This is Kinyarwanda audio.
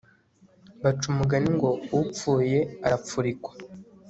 baca umugani ngo upfuye arapfurikwa